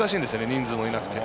人数もいなくて。